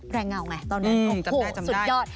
เงาไงตอนนั้นโอ้โหสุดยอด